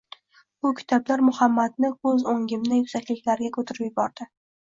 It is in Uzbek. Bu kitoblar Muhammadni koʻz oʻngimda yuksakliklarga koʻtarib yubordi